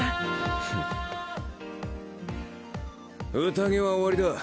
宴は終わりだ。